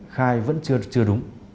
khai vẫn chưa đúng